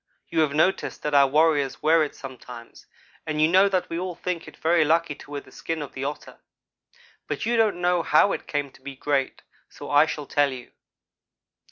You have noticed that our warriors wear it sometimes and you know that we all think it very lucky to wear the skin of the Otter. But you don't know how it came to be great; so I shall tell you.